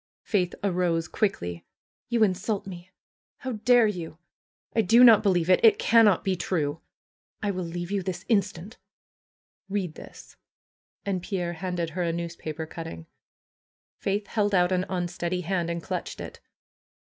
Faith arose quickly. "You insult me! How dare you ! I do not believe it ! It cannot be true ! I will leave you this instant!" "Read this!" And Pierre handed her a newspaper cutting. Faith held out an unsteady hand and clutched it.